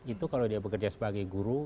itu kalau dia bekerja sebagai guru